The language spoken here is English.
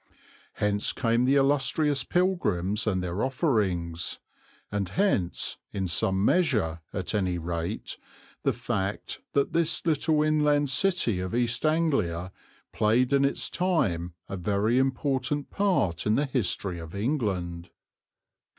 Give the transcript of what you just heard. Hence came the illustrious pilgrims and their offerings, and hence, in some measure at any rate, the fact that this little inland city of East Anglia played in its time a very important part in the history of England.